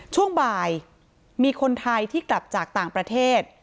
ช่วงบ่ายมีคนไทยที่กลับจากต่างประเทศ